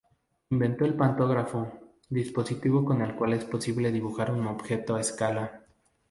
Inventó el pantógrafo, dispositivo con el cual es posible dibujar un objeto a escala.